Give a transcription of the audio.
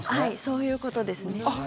そういうことですね。